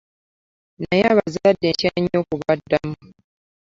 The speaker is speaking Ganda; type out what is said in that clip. Naye abazadde ntya nyo okubaddamu.